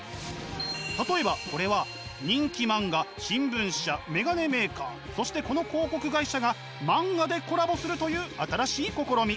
例えばこれは人気漫画新聞社メガネメーカーそしてこの広告会社が漫画でコラボするという新しい試み。